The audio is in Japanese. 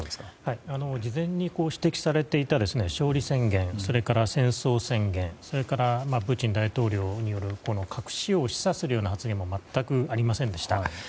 事前に指摘されていた勝利宣言、それから戦争宣言それから、プーチン大統領による核使用を示唆するような発言も全くありませんでした。